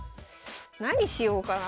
何しようかな。